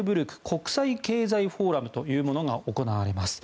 国際経済フォーラムというものが行われます。